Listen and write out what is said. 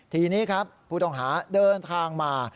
ทีนี้ครับผู้ต้องหาเดินทางมา